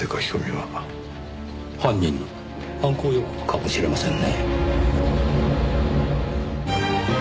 犯人の犯行予告かもしれませんね。